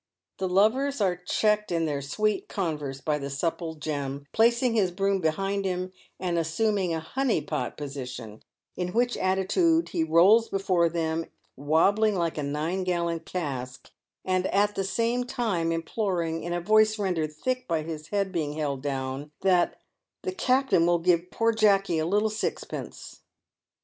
The lovers are checked in their sweet converse by the supple Jem placing his broom behind him and assuming a " honey pot" position, in which attitude he rolls before them wabbling like a nine gallon cask, and at the same time imploring, in a voice rendered thick by his head being held down, that the " Captain will give poor Jacky a little sixpence."